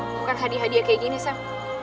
bukan hadiah hadiah kayak gini sam